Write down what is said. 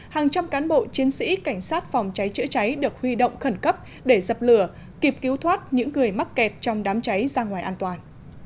hàng trăm cán bộ chiến sĩ cảnh sát phòng cháy chữa cháy được huy động khẩn cấp để dập lửa kịp cứu thoát những người mắc kẹt trong đám cháy ra ngoài an toàn